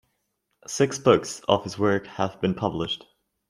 Six books of his work have been published.